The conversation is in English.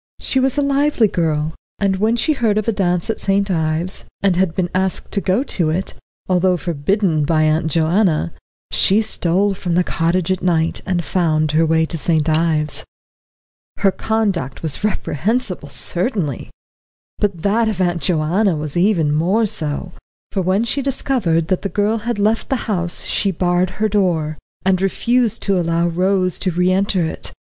She was a lively girl, and when she heard of a dance at St. Ives, and had been asked to go to it, although forbidden by Aunt Joanna, she stole from the cottage at night, and found her way to St. Ives. Her conduct was reprehensible certainly. But that of Aunt Joanna was even more so, for when she discovered that the girl had left the house she barred her door, and refused to allow Rose to re enter it.